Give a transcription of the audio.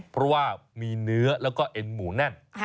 เพราะว่ามีเนื้อแล้วก็เอ็นหมูแน่น